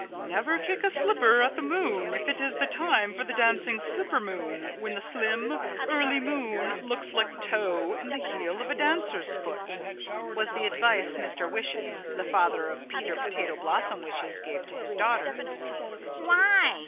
"Never kick a slipper at the moon if it is the time for the Dancing Slipper Moon when the slim early moon looks like the toe and the heel of a dancer's foot," was the advice Mr. Wishes, the father of Peter Potato Blossom Wishes, gave to his daughter. "Why?"